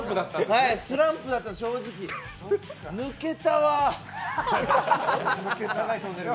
スランプだった、正直、抜けたわ！